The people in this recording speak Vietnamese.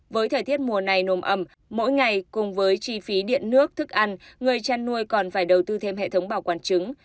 với thời tiết mùa này nồm ẩm mỗi ngày cùng với chi phí điện nước thức ăn người chăn nuôi còn phải đầu tư thêm hệ thống bảo quản trứng